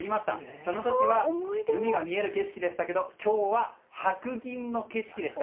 その時は海が見える景色でしたけど今日は白銀の景色でした。